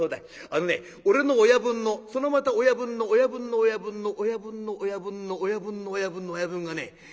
あのね俺の親分のそのまた親分の親分の親分の親分の親分の親分の親分の親分がね